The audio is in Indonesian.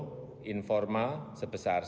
sebesar perusahaan dan juga perusahaan yang berkualitas